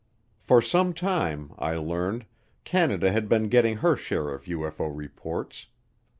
For some time, I learned, Canada had been getting her share of UFO reports.